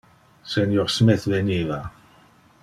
Senior Smith veniva.